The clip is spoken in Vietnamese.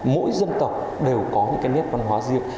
mỗi dân tộc đều có những cái nét văn hóa riêng